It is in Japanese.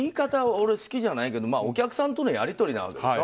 俺、好きじゃないけどお客さんとのやり取りなわけでしょ。